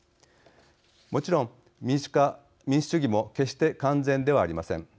もちろん民主主義も決して完全ではありません。